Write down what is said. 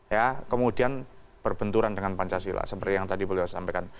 ya kemudian berbenturan dengan pancasila seperti yang tadi beliau sampaikan